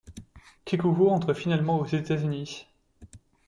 Kekuku rentre finalement aux États-Unis.